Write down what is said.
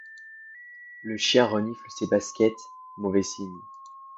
Le chien renifle ses baskets. Mauvais signe.